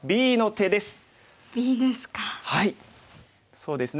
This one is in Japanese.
そうですね。